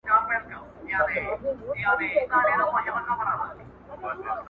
په غاښونو یې ورمات کړله هډوکي.!